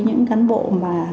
những cán bộ mà